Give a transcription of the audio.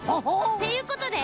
っていうことで。